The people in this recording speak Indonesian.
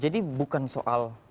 jadi bukan soal